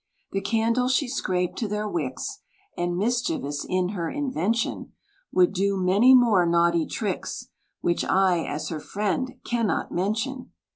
The candles she scraped to their wicks; And, mischievous in her invention, Would do many more naughty tricks, Which I, as her friend, cannot mention.